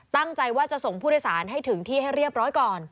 ตั้งใจว่าจะส่งผู้โดยสารให้ถึงที่ให้เรียบร้อยก่อน